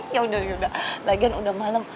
yaudah yaudah lagian udah malem